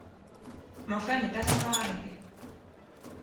Mon frère n’est pas encore arrivé.